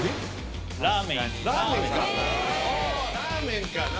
ラーメンか！